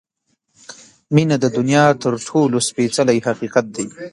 • مینه د دنیا تر ټولو سپېڅلی حقیقت دی.